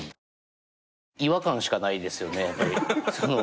違和感しかないですよね。